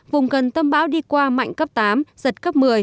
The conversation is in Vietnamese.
vùng gần tâm bão đi qua mạnh cấp tám giật cấp một mươi